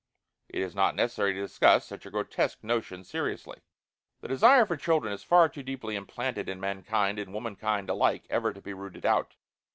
It is not necessary to discuss such a grotesque notion seriously. The desire for children is far too deeply implanted in mankind and womankind alike ever to be rooted out.